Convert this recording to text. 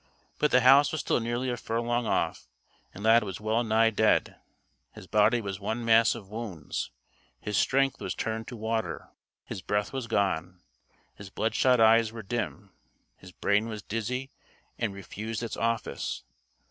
But the house was still nearly a furlong off, and Lad was well nigh dead. His body was one mass of wounds. His strength was turned to water. His breath was gone. His bloodshot eyes were dim. His brain was dizzy and refused its office.